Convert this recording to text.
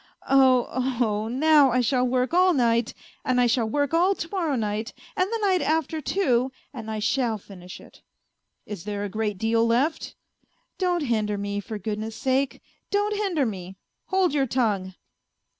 ... Oh ! oh ! Now I shall work all night, and I shall work all to morrow night, and the night after, too and I shall finish it." " Is there a great deal left ?"" Don't hinder me, for goodness' sake, don't hinder me; hold your tongue."